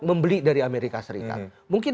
membeli dari amerika serikat mungkin